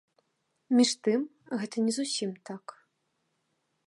Між тым гэта не зусім так.